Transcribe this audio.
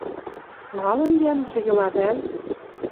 Малын йӓнгжӹ йыла вӓл?..